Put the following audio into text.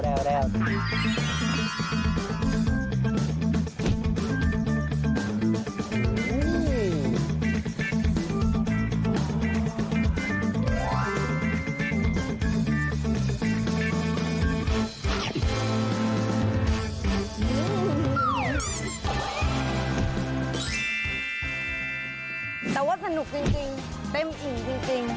แต่ว่าสนุกจริงเต็มอิ่มจริง